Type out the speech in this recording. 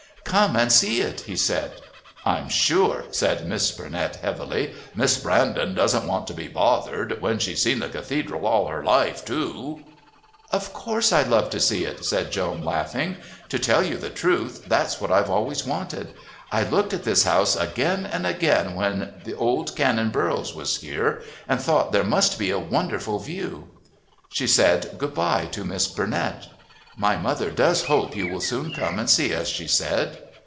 "Come and see it," he said. "I'm sure," said Miss Burnett heavily, "Miss Brandon doesn't want to be bothered when she's seen the Cathedral all her life, too." "Of course I'd love to see it," said Joan, laughing. "To tell you the truth, that's what I've always wanted. I looked at this house again and again when old Canon Burroughs was here, and thought there must be a wonderful view." She said good bye to Miss Burnett. "My mother does hope you will soon come and see us," she said.